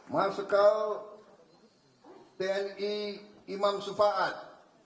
marsikal tni imam sufaat